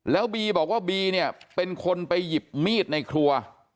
แล้วบีบอกว่าบีเนี่ยเป็นคนไปหยิบมีดในครัว